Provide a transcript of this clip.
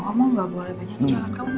kamu gak boleh banyak jalan